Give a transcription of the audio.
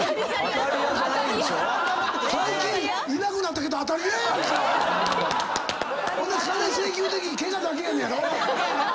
最近いなくなったけど当たり屋やんか。